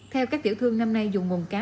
theo các tiểu thương năm nay dùng nguồn cá